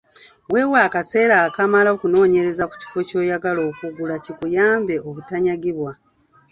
Weewe akaseera akamala okunoonyereza ku kifo ky'oyagala okugula kikuyambe obutanyagibwa.